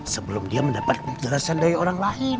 sebelum dia mendapat penjelasan dari orang lain